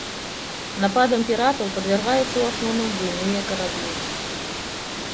Нападам піратаў падвяргаюцца ў асноўным буйныя караблі.